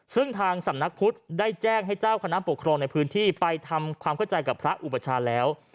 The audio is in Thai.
ซึ่งทางสำนักพุทธได้แจ้งให้เจ้าคณะปกครองในพื้นที่ไปทำความเข้าใจกับพระอุปชาแล้ว